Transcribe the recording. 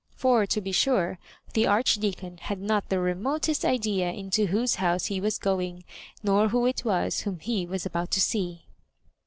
For, to be sure, the Archdeacon had not the remotest idea into whose house he was going, nor who it was whom he was about to see.